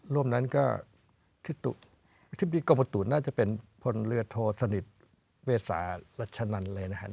ร่วมนั้นก็ทิศตุที่มีกรมุตุน่าจะเป็นพลเลือดโทสนิทเวสารัชนันต์เลยนะฮะ